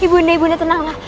ibu mbak tenanglah